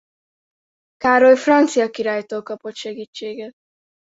Károly francia királytól kapott segítséget.